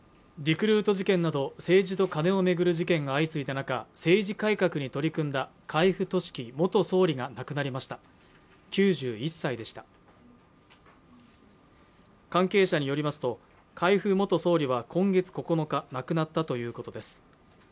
リクルート事件など政治とカネをめぐる事件が相次いだ中政治改革に取り組んだ海部俊樹元総理が亡くなりました９１歳でした関係者によりますと海部元総理は今月９日亡くなったということです